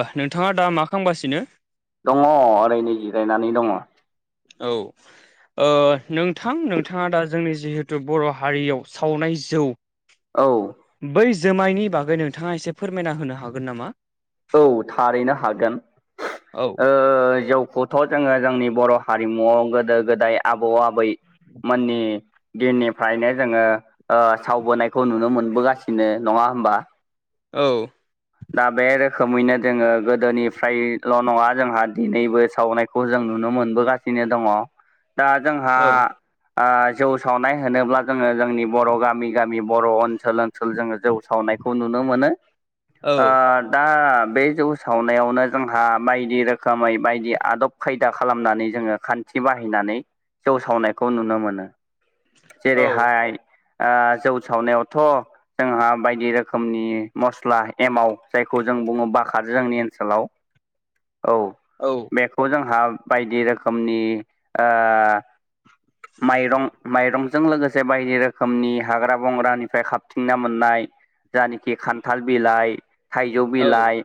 ओ नोंथाङा दा मा खालामगासिनो? दङ ओरैनो जिरायनानै दङ। औ ओ नोंथां नोंथाङा दा जोंनि जिहेथु बर' हारियाव सावनाय जौ औ बै जोमायनि बागै नोंथाङा एसे फोरमायना होनो हागोन नामा? औ थारैनो हागोन औ ओ जौखौ थ' जोङो जोंनि बर' हारिमुआव गोदो गोदाय आबौ आबैमोननि दिननिफ्रायनो जोङो सावबोनायखौ नुनो मोनबोगासिनो नङा होमबा औ दा बे रोखोमैनो जोङो गोदोनिफ्रायल' नङा जोंहा दिनैबो सावनाय खौ जों नुनो मोनबोगासिनो दङ दा जोंहा औ जौ सावनाय होनोब्ला जोङो जोंनि बर' गामि गामि बर' ओनसोल ओनसोल जोङो जौ सावनायखौ नुनो मोनो औ दा बे जौ सावनायावनो जोंहा बायदि रोखोमै बायदि आदब खायदा खालामनानै जोङो खान्थि बाहायनानै जौ सावनायखौ नुनो मोनो औ जेरैहाय जौ सावनायावथ' जोंहा बायदि रोखोमनि मस्ला एमाव जायखौ जों बुङो बाखाद जोंनि ओनसोलाव औ औ बेखौ जोंहा बायदि रोखोमनि माइरं माइरंजों लोगोसे बायदि रोखोमनि हाग्रा बंग्रानिफ्राय खाबथिंना मोननाय जायानखि खान्थाल बिलाइ थाइजौ औ बिलाइ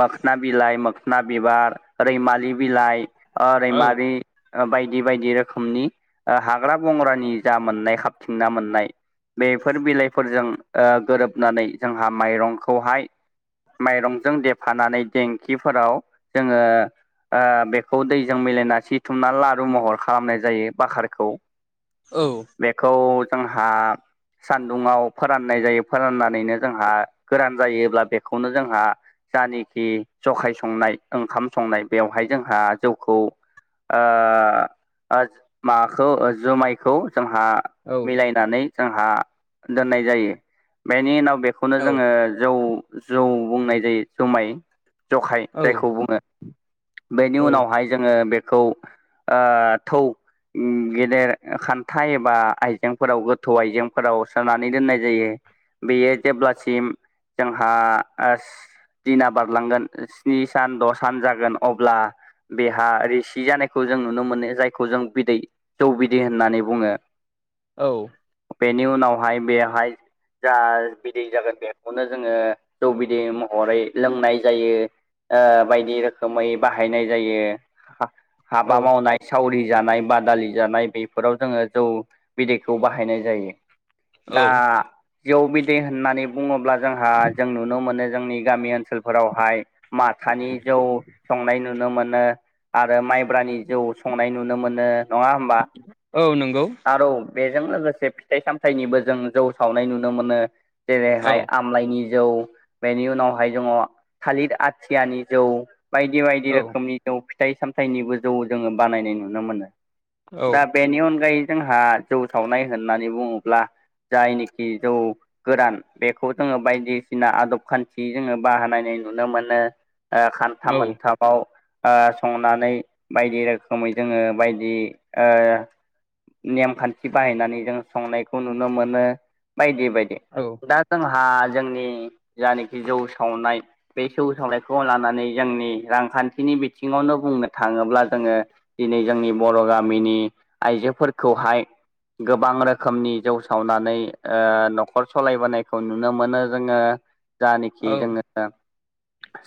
मोखोन बिलाइ मोखोन बिबार रैमालि बिलाइ औ रैमारि बायदि बायदि रोखोमनि हाग्रा बंग्रानि जा मोननाय खाबथिंना मोननाय बेफोर बिलाइफोरजों गोरोबनानै जोंहा माइरंखौहाय माइरंजों देफानानै देंखिफोराव जोङो बेखौ दैजों मिलायना सिथुमना लारु महर खालामनाय जायो बाखारखौ औ बेखौ जोंहा सान्दुङाव फोराननाय जायो फोराननानैनो जोंहा गोरान जायोब्ला बेखौनो जोंहा जानाखि जखाय संनाय ओंखाम संनाय बेवहाय जोंहा जौखौ माबाखौ जुमायखौ जोंहा औ मिलायनाय होननानै जोंहा दोननाय जायो बेनि उनाव बेखौनो जोङो जौ जौ बुंनाय जायो जुमाय जखाय जायखौ बुङो बेनि औ उनावहाय जोङो बेखौ थौ गेदेर खान्था एबा आइजेंफोराव गोथौ आइजेंफोराव सोनानै दोननाय जायो बेयो जेब्लासिम जोंहा दिना बारलांगोन स्नि सान द' सान जागोन अब्ला बेहा रेसि जानायखौ जों नुनो मोनो जायखौ जों बिदै जौ बिदै बिदि होननानै बुङो औ बेनि उनावहाय बेहाय जा बिदै जागोन बेखौनो जोङो जौ बिदै महरै लोंनाय जायो बायदि रोखोमै बाहायनाय जायो औ हाबा मावनाय सावरि जानाय बादालि जानाय बे बेफोराव जोङो जौ बिदैखौ बाहायनाय जायो दा औ जौ बिदै होननानै बुङोब्ला जोंहा जों नुनो मोनो जोंनि गामि ओनसोलफोरावहाय माथानि जौ संनाय नुनो मोनो आरो माइब्रानि जौ संनाय नुनो मोनो नङा होनबा औ नंगौ आरो बेजों लोगोसे फिथाइ सामथायनिबो जों जौ सावनाय नुनो मोनो जेरैहाय औ आम लाइनि जौ बेनि उनावहाय जोङो थालिर आथियानि जौ बायदि बायदि औ रोखोमनि जौ फिथाइ सामथाइनिबो जौ जोङो बानायनाय नुनो मोनो औ दा बेनि अनगायै जोंहा जौ सावनाय होननानै बुङोब्ला जायनिखि जौ गोरान बेखौ जोङो बायदिसिना आदब खान्थि जोङो बाहानायनाय नुनो मोनो ओ औ खान्था मोनथा बाव ओ संनानै बायदि रोखोमै जोङो बायदि ओ नेमखान्थि बाहायनानै जों संनायखौ नुनो मोनो बायदि बायदि औ दा जोंहा जोंनि जानायखि जौ सावनाय बे सौ सावलाायखौ लानानै जोंनि रांखान्थिनि बिथिङावनो बुंनो थाङोब्ला जोङो दिनै जोंनि बर' गामिनि आइजोफोरखौहाय गोबां रोखोमनि जौ सावनानै ओ नखर सालायबोनायखौ नुनो मोनो जोङो जानेखि जोङो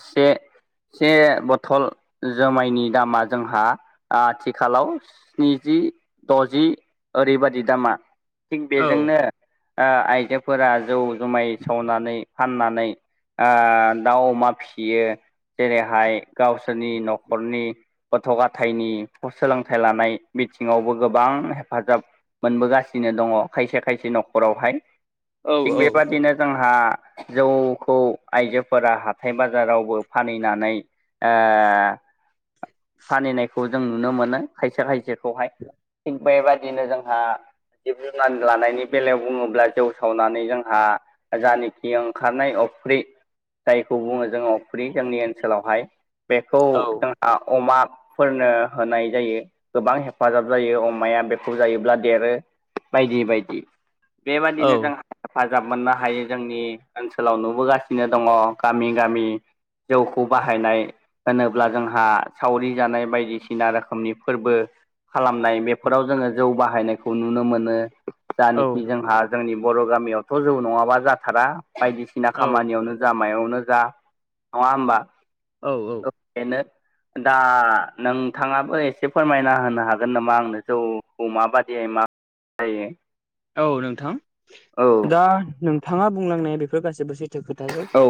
से से बथल जोमायनि दामा जोंहा आथिखालाव स्निजि द'जि ओरैबादि दामा थिग औ बेजोंनो आइजोफोरा जौ जुमाय सावनानै फाननानै ओ दाउ अमा फियो जेरैहाय गावसोरनि नखरनि गथ' गाथायनि सोलोंथाइ लानाय बिथिङावबो गोबां हेफाजाब मोनबोगासिनो दङ खायसे खायसे नखरावहाय औ थिग बेबादिनो जोंहा जौखौ आइजोफोरा हाथाय बाजारावबो फानैनानै ओ फानैनायखौ जों नुनो मोनो खायसे खायसेखौहाय थिग बेबायदिनो जोंहा जिब जुनार लानायनि बेलायाव बुङोब्ला जौ सावनानै जोंहा जानेखि ओंखारनाय अफ्रि जायखौ बुङो जोङो अफ्रि जोंनि ओनसोलावहाय बेखौ औ जोंहा अमाफोरनो होनाय जायो गोबां हेफाजाब जायो अमाया बेखौ जायोब्ला देरो बायदि बायदि बेबादिनो जोंहा हेफाजाब मोननो हायो जोंनि ओनसोलाव नुबोगासिनो दङ गामि गामि जौखौ बाहायनाय होनोब्ला जोंहा सावरि जानाय बायदिसिना रोखोमनि फोरबो खालामनाय बे फोराव जोङो जौ बाहायनायखौ नुनो मोनो जानेखि जोंहा जोंनि बर' गामियावथ' जौ नङाबा जाथारा बायदिसिना औ खामानियावनो जा मायावनो जा नङा होमबा औ औ बेनो दा नोंथाङाबो एसे फोरमायना होनो हागोन नामा आंनो जौखौ माबादियै मा जायो औ नोंथां औ दा नोंथाङा बुंलांनाया बेफोर गासैबो सैथो खोथाजोब औ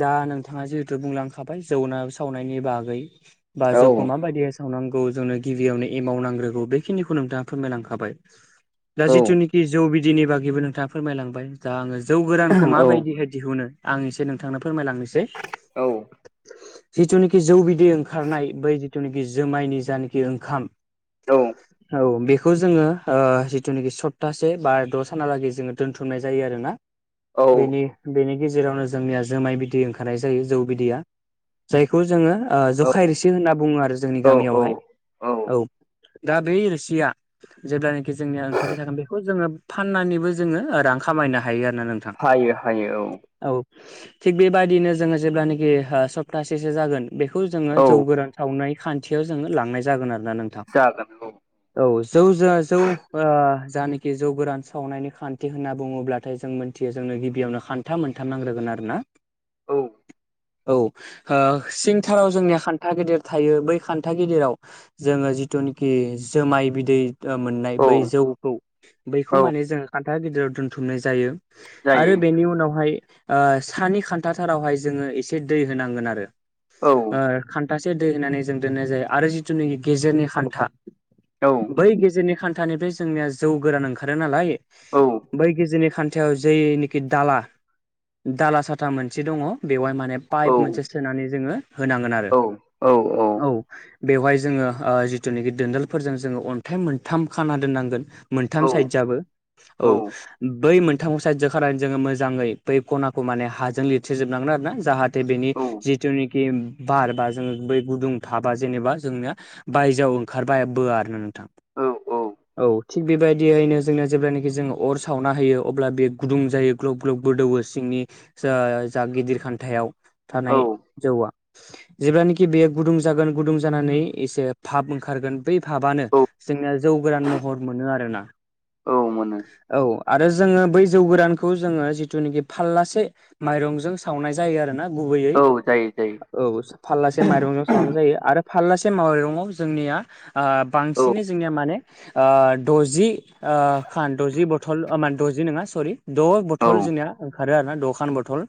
दा नोंथाङा जिहेथु बुंलांखाबाय जौना सावनायनि बागै बा औ जोंखौ माबायदियै सावनांगौ जोंनो गिबियावनो एमाव नांग्रोगौ बेखिनिखौ नोंथाङा फोरमायलांखाबाय दा औ जिथुनिखि जौ बिदैनि बागैबो नोंथाङा फोरमायलांबाय दा आङो जौ औ गोरानखौ माबायदिहाय दिहुनो आं एसै नोंथांनो फोरमायलांनोसै औ जिथुनेखि जौ बिदै ओंखारनाय बै जिथुनेखि जोमायनि जानेखि ओंखाम औ बेखौ जोङो ओ जिथुनेखि सत्तासे बा द' सानहालागै जोङो दोन्थुमनाय जायो आरोना औ बेनि बेनि गेजेरावनो जोंनिया जोमाय बिदै ओंखारनाय जायो जौ बिदैया जायखौ जोङो ओ जखाय रोसि होनना बुङो आरो जोंनि औ गामियावहाय औ दा बे रोसिया जेब्लानेखि जोंनि या ओंखारबाय थागोन बेखौ जोङो फाननानैबो जोङो रां खामायनो हायो आरोा नों थां हायो हायो औ थिग बेबादिनो जोङो जेब्लानेखि ओ सप्तासेसो जागोन बेखौ जोङो औ जौ गोरान सावनाय खान्थियाव जोङो लांनाय जागोन आरोना नों जागोन औ औ जौ ज जौ ओ जानाखि जौ गोरान सावनायनि खान्थि होनना बुङोब्लाथाय जों मोनथियो जोंनो गिबियावनो खान न्था मोनथाम नांग्रोगोन आरो ना। औ औ ओ सिंथाराव जोंनिया खान्था गेदिर थायो बै खान्था गेदिराव जोङो जिथुनाखि जोमाय बिदै ओ मोननाय औ बै जौखौ बैखौ औ माने जोङो खान्था गिदिराव दोनथुमनाय जायो। जायो आरो बेनि उनावहाय ओ सानि खान्थाथारावहाय जोङो एसे दै होनांगोन आरो। औ ओ खान्थासे दै होनानै जों दोननाय जायो आरो जिथुनोखि गेजेरनि खान्था औ बै गेजेरनि खान्थानिफ्राय जोंनिया जौ गोरान ओंखारो नालाय औ बै गेजेरनि खान्थायाव जेनिखि दाला दाला साथा मोनसे दङ बेवहाय मान माने औ पाइप मोनसे सोनानै जोङो होनांगोन आरो औ औ औ औ बेवहाय जोङो ऐ जिथुनिखि दोनदोलफोरजों जोङो अन्थाइ मोनथाम खाना दोननांगोन। मोनथाम औ साइदजाबो औ बै मोन थामबो साइडजों खानानै जोङो मोजाङै बै खनाखौ माने हाजों लिरथेजोबनांगोन आरोना जाहाथे थे बेनि जिथुनाखि बार बा जोङो बै गुदुं भाबा जेनेबा जोंनिया बायजोआव ओंखारबाय बो आरो ना नोंथां औ थिग बेबायदि दियैनो जोङो जेब्लानाखि जोङो अर सावना होयो अब्ला बेयो गुदुं जायो ग्लब ग्लब गोदौवो सिंनि जा जा गिदिर खान्थायाव औ थानाय जौआ। जेब्लानोखि बेयो गुदुं जागोन गुदुं जानानै एसे भाब ओंखारगोन बै भाबानो जोंनिया जौ गोरान महर मोनो आरोना। औ मोनो। औ आरो जोङो बै जौ गोरानखौ जोङो जिथुनोखि फाललासे माइरंजों सावनाय जायो आरोना गुबैयै औ जायो जायो औ फारलासे माइरंजों सावनाय जायो आरो फाललासे माइरंआव जोंनिया ओ औ बांसिनै जोंनिया माने ओ द'जि ओ खान द'जि बथल माने द'जि नोङा सरि द' औ बथल जोंनिया ओंखारो आरो ना द' खान बथल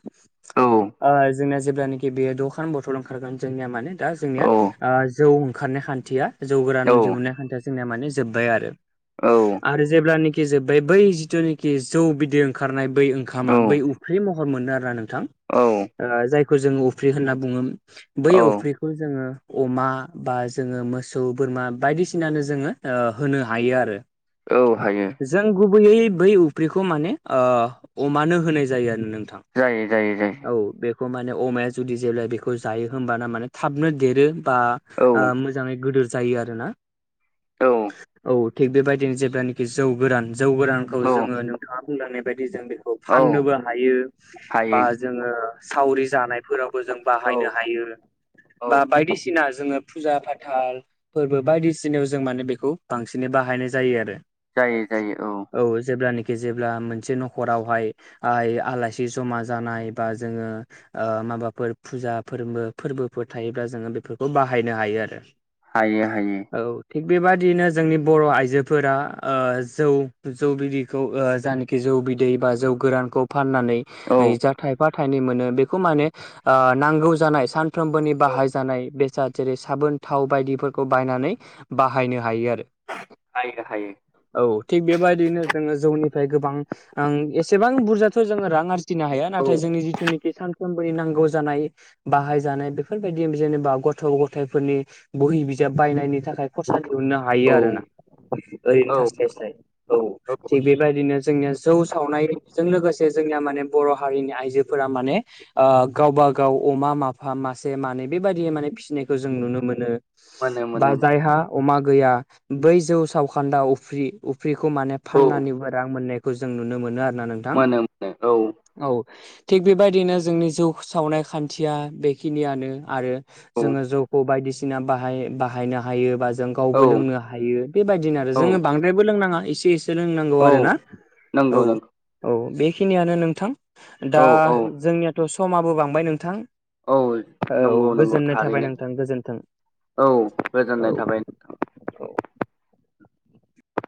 औ ओ जोंना जेब्लानोखि बे दखान बथल ओंखारगोन जोंनिया माने दा औ जोंनिया आ जौ ओंखारनाय खान्थिया जौ गोरान दिहुन्नाय खान्थिया जोंनिया माने जोब्बाय आरो। औ आरो जेब्लानखि जोबबाय बै जिथुनाशोखि जौ बिदै ओंखारनाय बै ओंखामा बै उख्रि महर मोनो आर ना नों थां औ ओ जायखौ जोङो उफ्रि होनना बुङो बै औ अफ्रिखौ जोङो अमा बा जोङो मोसौ बोरमा बायदिसिनानो जोङो होनो हायो आरो। औ हायो। जों गुबैयै बै उफ्रिखौ माने अमानो होनाय जायो आरो नोंथां। जायो जायो जायो औ बेखौ माने अमाया जुदि जेब्ला बेखौ जायो होमबाना माने थाबनो देरो। बा औ मोजाङै गोदोर जायो आरोना औ औ थिग बेबायदिनो जेब्लानखि जौ गोरान जौ गोरानखौ औ जोङो नोंथाङा बुंलांनाय बायदि जों बे औ फाननोबो हायो हायो। बा जोङो सावरि जानायफोरावबो जों औ बाहायनो हायो। औ बा बायदिसिना जोङो फुजा फाथाल फोरबो बायदिसिनायाव जों माने बेखौ बांसिनै बाहायनाय जायो आरो। जायो जायो औ औ जेब्लानाखि जेब्ला मोनसे न'खरावहाय आइ आलासि जमा जानाय बा जोङो ओ माबाफोर फुजा फोरबो फोरबोफोर थायोब्ला जोङो बेफोरखौ बाहायनो हायो आरो। हायो हायो। औ थिग बेबादिनो जोंनि बर' आइजोफोरा ओ जौ जौ बिदैखौ ओ जायानखि जौ बि दै बा जौ गोरानखौ फाननानै औ जा थाइफा थाइनै मोनो बेखौ माने ओ नांगौ जानाय सानफ्रोमबोनि औ बाहाय जानाय बेसाद जेरै साबोन थाव बायदिफोरखौ बायनानै बाहायनो हायो आरो। हायो हायो। औ थिग बेबायदिनो जोङो जौनिफ्राय गोबां बां एसेबां बुरजाथ' जोङो रां आरजि थिनो हाया औ नाथाय जोंनि जिथुनाखि सानफ्रोमबोनि नांगौ जानाय बाहायजानाय बेफोरबायदि जेनोबा गथ' गथायाइफोरनि बहि बिजाब बायनायनि थाखाय खरसा दिहुननो हायो आरो ना औ ओरैनो औ औ थास्लाय्लाय। औ नंगौ थिग बेबायदिनो जोंनिया जौ सावनायजों लोगोसे जोंनिया माने बर' हारिनि आइजोफोरा माने ओ गावबा गाव अमा माफा मासे मानै बेबायदि माने फिसिनायखौ जों नुनो मोनो। मोनो बा मोनो मोनो जायहा अमा गैया बै जौ सावखान्दा उफ्रि उफ्रिखौ माने औ फाननानैबो रां मोननायखौ जों नुनो मोनो आरोना नों मोनो मोनो औ। औ थिग बेबायदिनो जोंनि जौ सावनाय खान्थिया बेखिनियानो आरो जोङो जौखौ बायदिसिना बाहाय बाहायनो हायो बा जों औ गावबो लोंनो हायो बेबायदिनो आरो औ जोङो बांद्रायबो लोंनाङा एसे एसे लोंनांगौ औ आरोना नंगौ नंगौ औ औ बेखिनियानो नोंथां दा औ औ जोंनियाथ' समाबो बांबाय नोंथां? औ औ नंगौ नंगौ गोजोननाय थाबाय थारैनो नोंथां गोजोनथों औ गोजोननाय थाबाय औ। नोंथां। औ